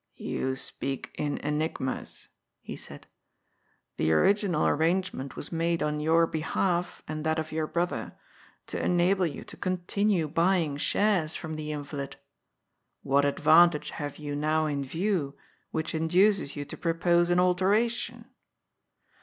"You speak in enigmas," he said. " The original arrangement was made on your behalf and that of your brother, to enable you to continue buying shares from the invalid. What advantage have you now in view which induces you to propose an alteration